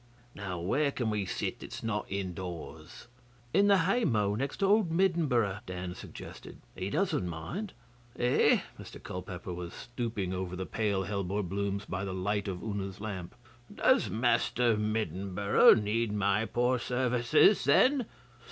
Now, where can we sit that's not indoors?' 'In the hay mow, next to old Middenboro,' Dan suggested. 'He doesn't mind.' 'Eh?' Mr Culpeper was stooping over the pale hellebore blooms by the light of Una's lamp. 'Does Master Middenboro need my poor services, then?